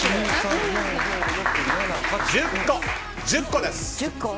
１０個です。